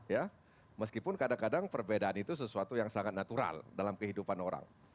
ya meskipun kadang kadang perbedaan itu sesuatu yang sangat natural dalam kehidupan orang